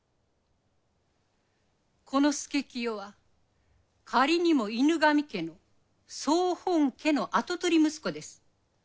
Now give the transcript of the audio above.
この佐清は仮にも犬神家の総本家の跡取り息子です。